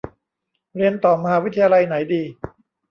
เรียนต่อมหาวิทยาลัยไหนดี